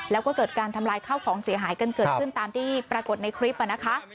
แล้วก็เกิดการทำลายข้าวของเสียหายกันเกิดขึ้นตามที่ปรากฏในคลิปนะคะ